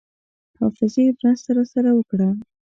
حافظې مرسته راسره وکړه.